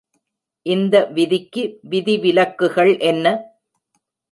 இந்த விதிக்கு விதிவிலக்குகள் என்ன?